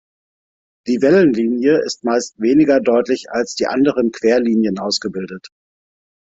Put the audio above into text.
Die Wellenlinie ist meist weniger deutlich als die anderen Querlinien ausgebildet.